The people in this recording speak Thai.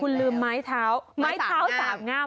คุณลืมไม้เท้าไม้เท้าสามงาม